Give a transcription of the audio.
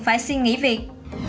phải xin nghỉ việc